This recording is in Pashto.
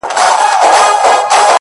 o ه بيا دي ږغ کي يو عالم غمونه اورم ـ